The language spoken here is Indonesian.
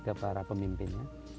ke para pemimpinnya